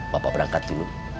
bapak berangkat dulu